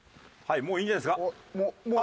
もういいんじゃないですか？